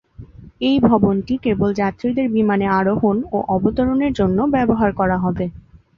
এই ভবনটি কেবল যাত্রীদের বিমানে আরোহণ ও অবতরণের জন্য ব্যবহার করা হবে।